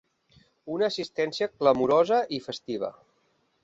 Una assistència clamorosa i festiva.